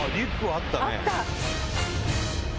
あった！